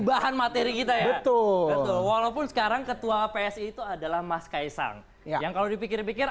bahan materi kita ya betul betul walaupun sekarang ketua psi itu adalah mas kaisang yang kalau dipikir pikir